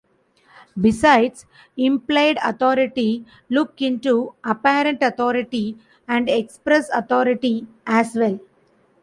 Besides Implied Authority, look into Apparent Authority and Express Authority as well.